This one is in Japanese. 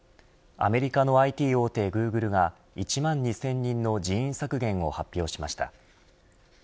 アメリカのＩＴ大手グーグルが１万２０００人の人員削減を発表しました